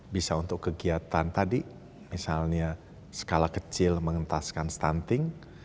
bisa untuk kegiatan tadi misalnya skala kecil mengentaskan stunting